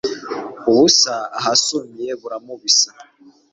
Ubusa ahasumiye buramubisa